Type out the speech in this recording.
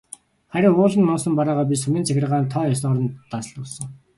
Харин ууланд нуусан бараагаа би сумын захиргаанд тоо ёсоор нь данслуулсан.